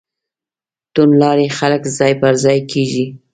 توندلاري خلک ځای پر ځای کېږي.